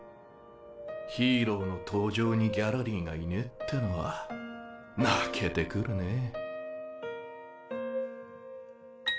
ヒーローの登場にギャラリーがいねえってのは泣けてくるねぇ。